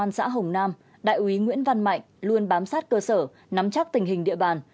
công an xã hồng nam đại úy nguyễn văn mạnh luôn bám sát cơ sở nắm chắc tình hình địa bàn